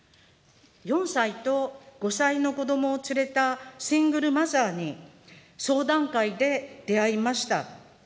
４歳と５歳の子どもを連れたシングルマザーに相談会で出会いました。